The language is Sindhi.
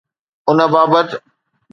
ان بابت